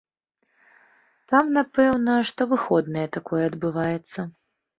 Там, напэўна, штовыходныя такое адбываецца.